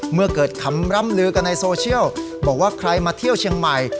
เมื่อเกิดคำร่ำลือกันในโซเชียลบอกว่าใครมาเที่ยวเชียงใหม่